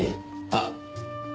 あっ。